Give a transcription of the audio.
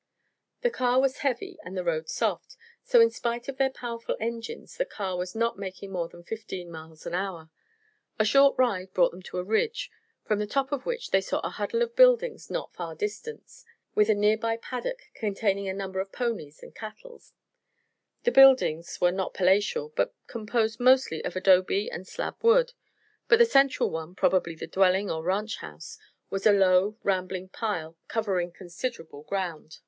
The car was heavy and the road soft; so in spite of their powerful engines the car was not making more than fifteen miles an hour. A short ride brought them to a ridge, from the top of which they saw a huddle of buildings not far distant, with a near by paddock containing a number of ponies and cattle. The buildings were not palatial, being composed mostly of adobe and slab wood; but the central one, probably the dwelling or ranch house, was a low, rambling pile covering considerable ground.